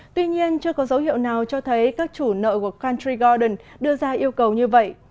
tuy nhiên chưa có dấu hiệu nào cho thấy các chủ nợ của cantrie golden đưa ra yêu cầu như vậy